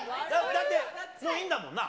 だって、もういいんだもんな。